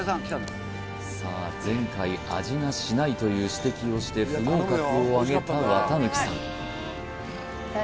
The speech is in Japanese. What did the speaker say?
前回味がしないという指摘をして不合格をあげた綿貫さん